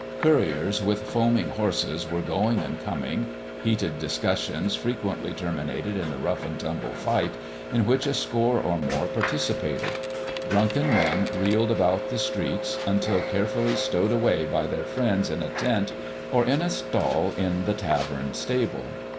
Couriers with foaming horses were going and coming. Heated discussions frequently terminated in a rough and tumble fight, in which a score or more participated. Drunken men reeled about the streets until carefully stowed away by their friends in a tent or in a stall in the tavern stable.